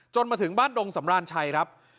มาถึงบ้านดงสำราญชัยครับ